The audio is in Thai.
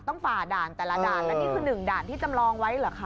ฝ่าด่านแต่ละด่านแล้วนี่คือหนึ่งด่านที่จำลองไว้เหรอคะ